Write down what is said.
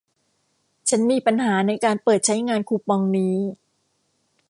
ฉันมีปัญหาในการเปิดใช้งานคูปองนี้